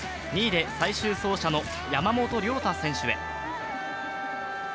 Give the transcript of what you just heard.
２位で最終走者の山本涼太選手へ。